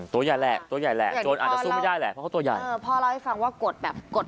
ตัวใหญ่แหละโจรอาจจะพี่ยายแหละเพราะเขาตัวพ่อเล่าให้ฟังว่ากดแบบกด